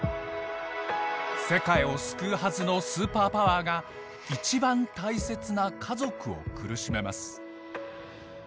世界を救うはずのスーパーパワーが一番大切な家族を苦しめます。